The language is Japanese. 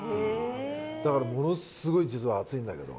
だからものすごい実は暑いんだけど。